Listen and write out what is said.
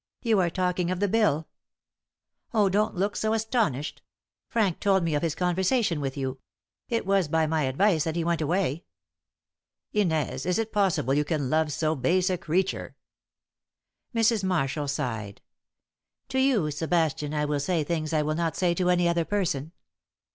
You are talking of the bill. Oh, don't look so astonished. Frank told me of his conversation with you. It was by my advice that he went away." "Inez, is it possible you can love so base a creature?" Mrs. Marshall sighed. "To you, Sebastian, I will say things I would not say to any other person.